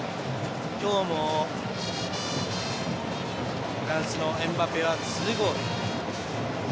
今日も、フランスのエムバペは２ゴール。